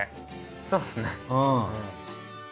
そうですね。